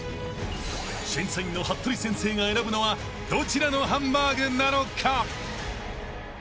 ［審査員の服部先生が選ぶのはどちらのハンバーグなのか？］